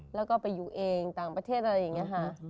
แล้วก็ไปอยู่เองต่างประเทศอะไรอย่างนี้ค่ะ